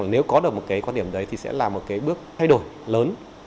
nếu có được một cái quan điểm đấy thì sẽ là một cái bước thay đổi lớn